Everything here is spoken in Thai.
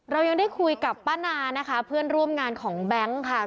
เรายังได้คุยกับป้านานะคะเพื่อนร่วมงานของแบงค์ค่ะ